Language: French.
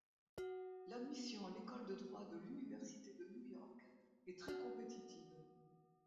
L'admission à l'École de droit de l'Université de New York est très compétitive.